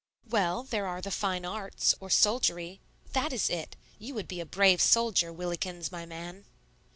"Well, there are the fine arts, or soldiery, that is it. You would be a brave soldier, Willikins, my man."